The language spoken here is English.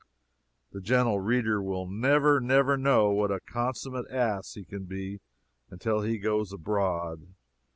The gentle reader will never, never know what a consummate ass he can become, until he goes abroad.